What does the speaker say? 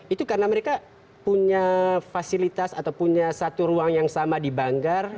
itu karena mereka punya fasilitas atau punya satu ruang yang sama di banggar